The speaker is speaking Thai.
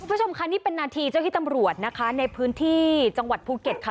คุณผู้ชมค่ะนี่เป็นนาทีเจ้าที่ตำรวจนะคะในพื้นที่จังหวัดภูเก็ตค่ะ